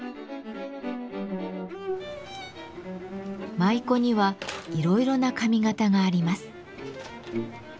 舞妓にはいろいろな髪型があります。